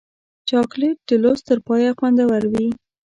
چاکلېټ د لوست تر پایه خوندور وي.